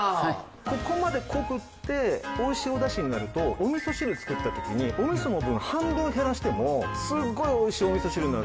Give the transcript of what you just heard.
ここまで濃くておいしいお出汁になるとおみそ汁作った時におみその分半分減らしてもすごいおいしいおみそ汁になる。